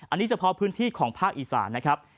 อันนี้เฉพาะพื้นที่ของภาคอีสานนะครับ